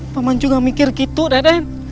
pak man juga mikir begitu raden